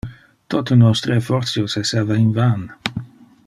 Tote nostre effortios esseva in van.